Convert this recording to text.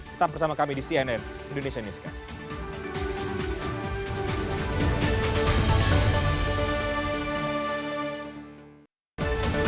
tetap bersama kami di cnn indonesia newscast